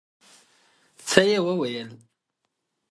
څه يې وويل.